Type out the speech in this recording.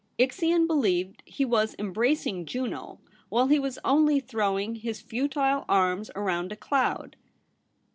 Ixion believed he was em bracing Juno while he was only throwing his futile arms around a cloud.